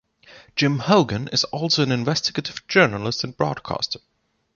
Jim Hougan is also an investigative journalist and broadcaster.